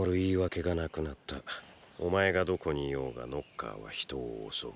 お前がどこにいようがノッカーは人を襲う。